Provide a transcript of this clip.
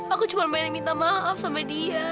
aku cuma pengen minta maaf sama dia